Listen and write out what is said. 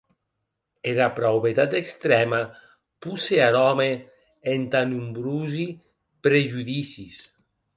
Era praubetat extrèma posse ar òme entà nombrosi prejudicis.